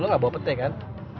hati lo gak bawa pete kan